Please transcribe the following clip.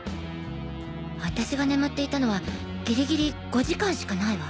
私が眠っていたのはギリギリ５時間しかないわ。